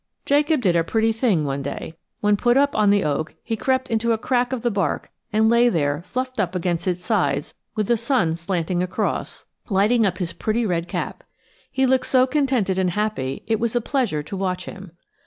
Jacob did a pretty thing one day. When put on the oak, he crept into a crack of the bark and lay there fluffed up against its sides with the sun slanting across, lighting up his pretty red cap. He looked so contented and happy it was a pleasure to watch him.